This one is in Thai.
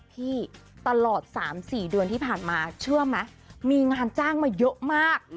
พี่ตลอด๓๔เดือนที่ผ่านมาเชื่อไหมมีงานจ้างมาเยอะมาก